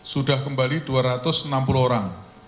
sudah kembali dua ratus enam puluh orang